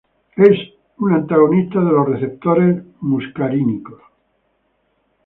Es un antagonista de los receptores muscarínicos.